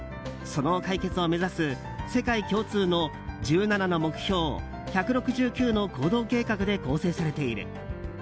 その解決を目指す世界共通の１７の目標１６９の行動計画で構成されている。